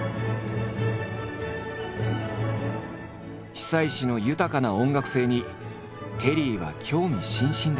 久石の豊かな音楽性にテリーは興味津々だ。